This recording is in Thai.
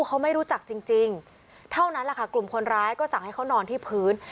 เขาไม่รู้จักจริงเท่านั้นแหละค่ะกลุ่มคนร้ายก็สั่งให้เขานอนที่พื้น